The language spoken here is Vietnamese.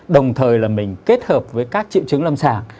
đồng thời là mình kết hợp với các triệu chứng lâm sàng